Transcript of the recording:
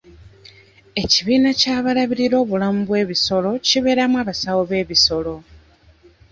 Ekibiina ky'abalabirira obulamu bw'ebisolo kibeeramu abasawo b'ebisolo.